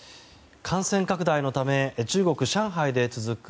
感染拡大のため中国・上海で続く